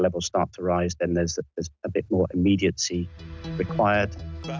และเวลาที่มันเติมขึ้นมันก็จะเริ่มเติมขึ้น